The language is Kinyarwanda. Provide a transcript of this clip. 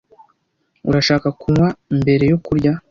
Urashaka kunywa mbere yo kurya?